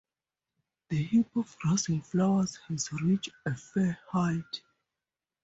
The heap of grass and flowers has reached a fair height.